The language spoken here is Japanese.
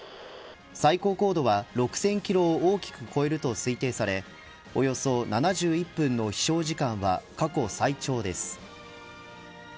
最高高度は６０００キロを大きく超えると推定されおよそ７１分の飛翔時間は過去最長です。